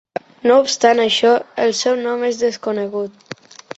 No obstant això, el seu nom és desconegut.